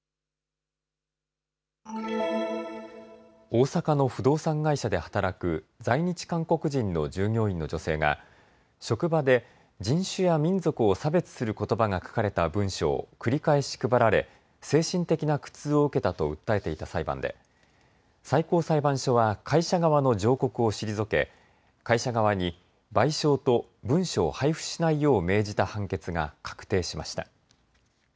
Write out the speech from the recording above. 大阪の不動産会社で働く在日韓国人の従業員の女性が職場で人種や民族を差別することばが書かれた文書を繰り返し配られ精神的な苦痛を受けたと訴えていた裁判で最高裁判所は会社側の上告を退け会社側に賠償と文書を配付しないよう命じた判決が確定しました。